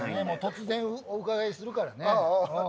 突然お伺いするからね。